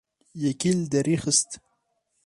Yekî li derî dixist.